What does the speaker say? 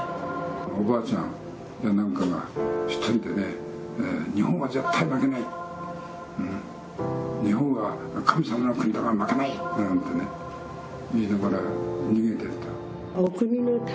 おばあちゃんかなんかが１人で日本は絶対負けない、日本は神様の国だから負けないなんて言いながら逃げていた。